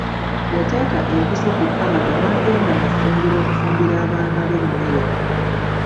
Yateeka empiso ku kkabada n'agenda mu ffumbiro okufumbira abaana be emmere.